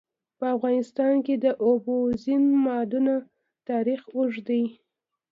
په افغانستان کې د اوبزین معدنونه تاریخ اوږد دی.